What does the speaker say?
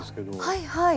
はいはい。